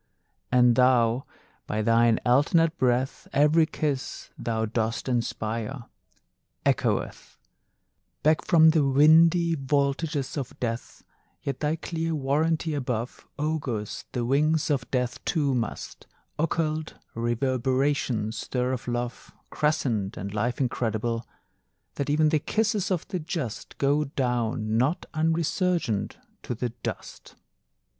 And though, by thine alternate breath, Every kiss thou dost inspire Echoeth Back from the windy vaultages of death; Yet thy clear warranty above Augurs the wings of death too must Occult reverberations stir of love Crescent and life incredible; That even the kisses of the just Go down not unresurgent to the dust.